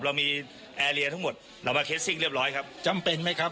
เรามีทั้งหมดเรามาเรียบร้อยครับจำเป็นไหมครับ